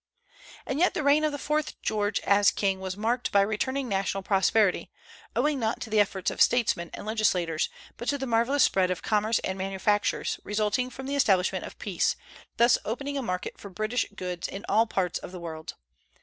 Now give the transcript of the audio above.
And yet the reign of the fourth George as king was marked by returning national prosperity, owing not to the efforts of statesmen and legislators, but to the marvellous spread of commerce and manufactures, resulting from the establishment of peace, thus opening a market for British goods in all parts of the world.